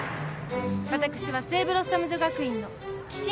私は聖ブロッサム女学院の岸里樹理。